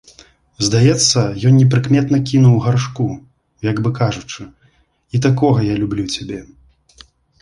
Здаецца, ён непрыкметна кіўнуў Гаршку, як бы кажучы: «І такогая люблю цябе».